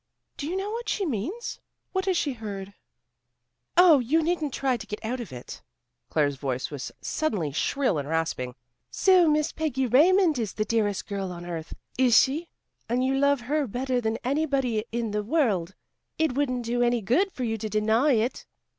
"Do you know what she means? What has she heard?" "Oh, you needn't try to get out of it," Claire's voice was suddenly shrill and rasping. "So Miss Peggy Raymond is the dearest girl on earth, is she, and you love her better than anybody in the world! It won't do any good for you to deny it."